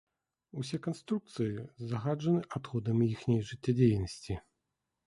Усе канструкцыі загаджаны адходамі іхняй жыццядзейнасці.